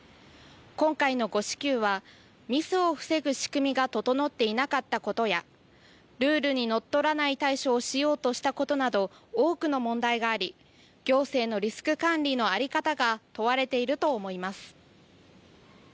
今回の誤支給はミスを防ぐ仕組みが整っていなかったことやルールにのっとらない対処をしようとしたことなど多くの問題があり行政のリスク管理の在り方が問われていると思います。